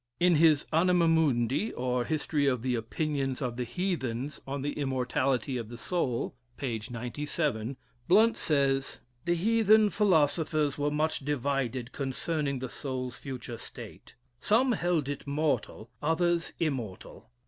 In his "Anima Mundi, or, History of the Opinions of the Heathens on the Immortality of the Soul," (p. 97,) Blount says: "The heathen philosophers were much divided concerning the soul's future state; some held it mortal, others immortal.